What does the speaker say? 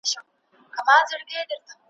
ګړی وروسته مرغه کښته سو له بامه `